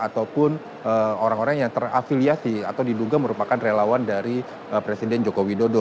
ataupun orang orang yang terafiliasi atau diduga merupakan relawan dari presiden joko widodo